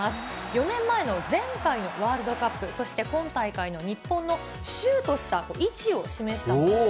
４年前の前回のワールドカップ、そして今大会の日本のシュートした位置を示したものです。